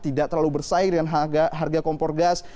tidak terlalu bersaing dengan harga kompor gas